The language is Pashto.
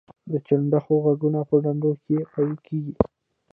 د چنډخو غږونه په ډنډونو کې پیل کیږي